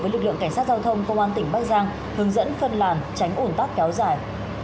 với lực lượng cảnh sát giao thông công an tỉnh bắc giang hướng dẫn phân làn tránh ủn tắc kéo dài